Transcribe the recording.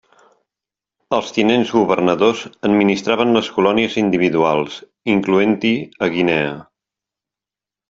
Els tinents governadors administraven les colònies individuals, incloent-hi a Guinea.